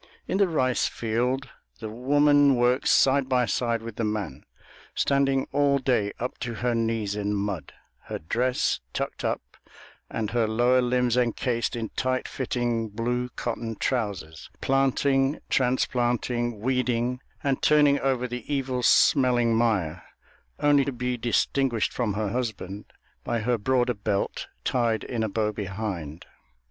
In the rice field the woman works side by side with the man, standing all day up to her knees in mud, her dress tucked up and her lower limbs encased in tight fitting, blue cotton trousers, planting, transplanting, weeding, and turning over the evil smelling mire, only to be distinguished from her husband by her broader belt tied in a bow behind.